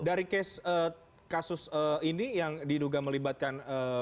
dari kes kasus ini yang diduga melibatkan